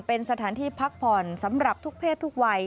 เป็นสถานที่พักผ่อนสำหรับทุกเพศทุกวัย